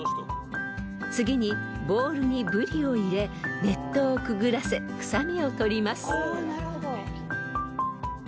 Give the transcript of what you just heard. ［次にボウルにブリを入れ熱湯をくぐらせ臭みを取ります］